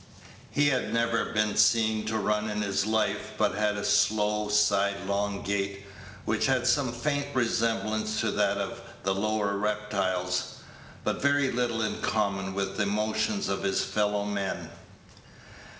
He had never been seen to run in his life, but had a slow, sidelong gait, which had some faint resemblance to that of the lower reptiles, but very little in common with the motions of his fellow men.